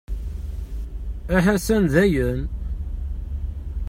Ahasan dayen!